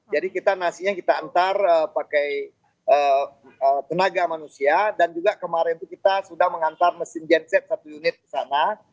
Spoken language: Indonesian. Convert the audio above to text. jadi kita nasinya kita antar pakai tenaga manusia dan juga kemarin itu kita sudah mengantar mesin genset satu unit ke sana